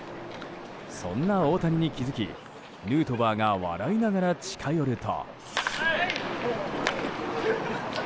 そんな大谷に気づきヌートバーが笑いながら近寄ると。